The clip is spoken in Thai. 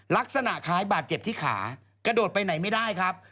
ลักษณะคล้ายบาดเจ็บที่ขากระโดดไปไหนไม่ได้ครับ